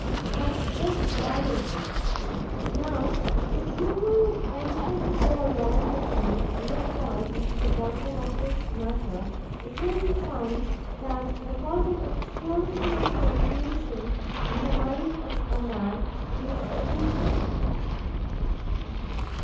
But this by the way. Now if you will venture to go along with me, and look down into the bottom of this matter, it will be found that the cause of obscurity and confusion, in the mind of a man, is threefold.